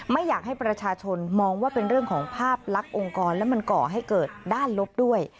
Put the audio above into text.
ไม่อยากให้ประชาชนมองว่าเป็นเรื่องของภาพลักษณ์องค์กรและมันก่อให้เกิดด้านลบด้วย